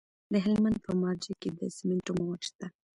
د هلمند په مارجه کې د سمنټو مواد شته.